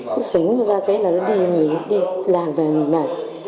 cứ xính ra cái là nó đi mình đi làm và mình bảo